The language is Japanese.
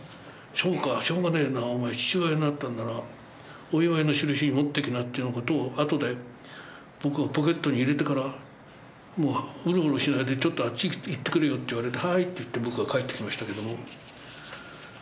「そうかしょうがねえなお前父親になったんならお祝いのしるしに持ってきな」ってな事をあとで僕がポケットに入れてから「ウロウロしないでちょっとあっち行ってくれよ」って言われて「はい」って言って僕は帰ってきましたけども。